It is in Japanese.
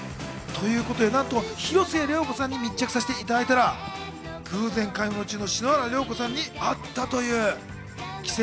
脅かさないでよ、このバカ広末涼子さんに密着させていただいたら偶然、買い物中の篠原涼子さに会ったという。